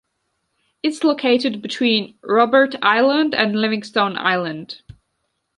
It’s located between Robert Island and Livingston Island.